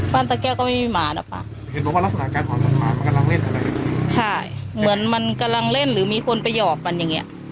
บ้านตะแก้วก็ไม่มีหมานะป่ะเหมือนมันกำลังเล่นหรือมีคนไปหยอบมันอย่างเงี้ย